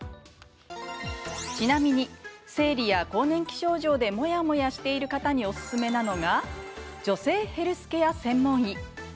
ちなみに、生理や更年期症状でモヤモヤしている方におすすめなのが女性ヘルスケア専門医。